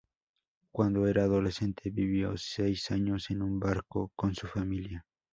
Cuando era adolescente vivió seis años en un barco con su familia.